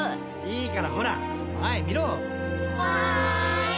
いいからほら前見ろはーい！